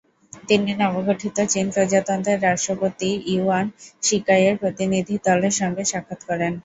তিনি নবগঠিত চীন প্রজাতন্ত্রের রাষ্ট্রপতি ইয়ুয়ান শিকাইয়ের প্রতিনিধিদলের সঙ্গে সাক্ষাৎ করেন।